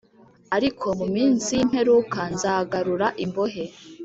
Ariko mu minsi y imperuka nzagarura imbohe